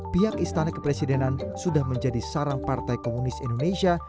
pihak istana kepresidenan sudah menjadi sarang partai komunis indonesia